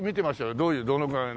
どういうどのぐらいの。